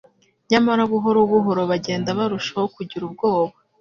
Nyamara buhoro buhoro bagenda barushaho kugira ubwoba.